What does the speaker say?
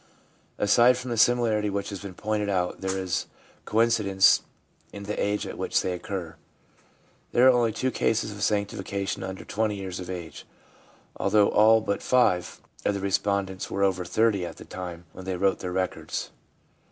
Aside from the similarity which has been pointed out, there is coincidence in the age at which they occur. There are only two cases of sanctifi cation under 20 years of age, although all but five of the respondents were over 30 at the time when they wrote their records.